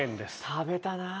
食べたなぁ。